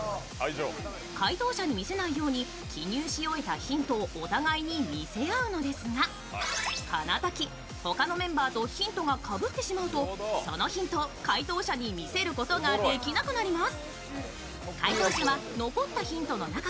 回答者に見せないように記入し終えたヒントをお互いに見せ合うのですがこのとき他のメンバーとヒントがカブってしまうとそのヒントを回答者に見せることができなくなります。